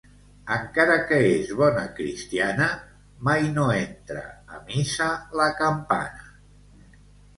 Encara que és bona cristiana, mai no entra a missa la campana.